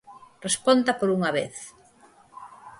Responda por unha vez.